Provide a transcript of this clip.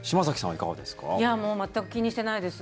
いやもう全く気にしてないです。